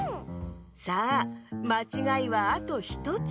さあまちがいはあと１つ。